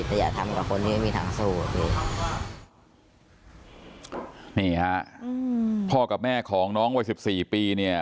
ก็อย่าทำกับคนที่ไม่มีทางสู้อะพี่นี่ฮะอืมพ่อกับแม่ของน้องวัยสิบสี่ปีเนี่ย